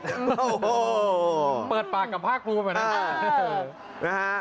โอโหเปิดปากกับภาคภูมิไว้เหนือนัค่ะ